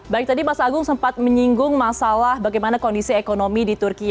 baik tadi mas agung sempat menyinggung masalah bagaimana kondisi ekonomi di turki